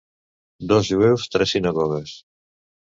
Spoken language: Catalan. Dos jueus, tres sinagogues.